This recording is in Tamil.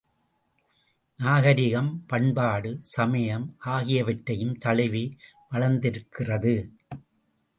நாகரிகம், பண்பாடு, சமயம் ஆகியவற்றையும் தழுவி வளர்ந்திருக்கிறது.